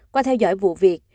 qua theo dõi vụ việc